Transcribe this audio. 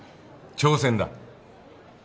挑戦だ。